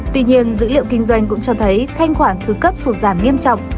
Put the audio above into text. tuy nhiên dữ liệu kinh doanh cũng cho thấy thanh khoản thứ cấp sụt giảm nghiêm trọng